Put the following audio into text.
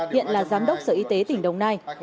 hiện là giám đốc sở y tế tỉnh đồng nai